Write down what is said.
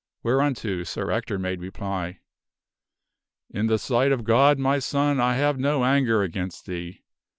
Whereunto Sir Ector made reply, " In the sight of God, my son, I have no anger against thee."